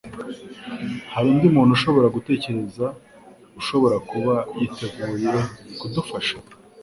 Hari undi muntu ushobora gutekereza ushobora kuba yiteguye kudufasha?